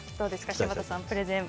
柴田さんプレゼン。